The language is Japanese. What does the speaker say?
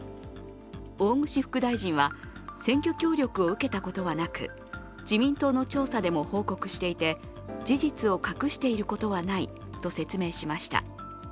大串副大臣は選挙協力を受けたことはなく、自民党の調査でも報告していて、事実を隠していることはないと説明しました。